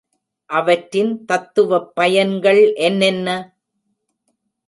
அவற்றின் தத்துவப் பயன்கள் என்னென்ன?